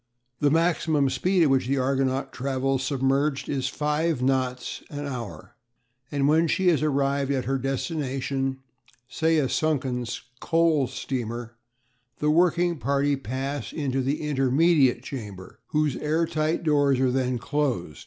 The maximum speed at which the Argonaut travels submerged is five knots an hour, and when she has arrived at her destination say a sunken coal steamer the working party pass into the "intermediate" chamber, whose air tight doors are then closed.